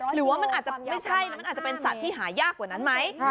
หรือว่ามันอาจจะไม่ใช่แล้วมันอาจจะเป็นสัตว์ที่หายากกว่านั้นไหม